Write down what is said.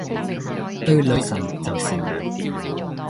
對女神就善良